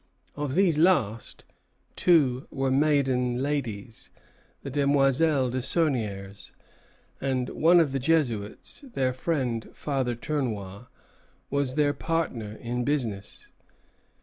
Of these last, two were maiden ladies, the Demoiselles Desauniers; and one of the Jesuits, their friend Father Tournois, was their partner in business.